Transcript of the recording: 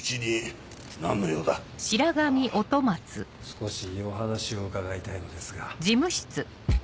少しお話を伺いたいのですが。